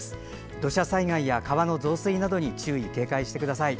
土砂災害や川の増水などに注意、警戒してください。